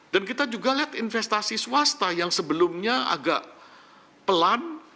dan kita juga melihat investasi swasta yang sebelumnya agak pelan